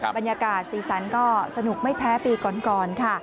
บรรยากาศสีสันก็สนุกไม่แพ้ปีก่อนค่ะ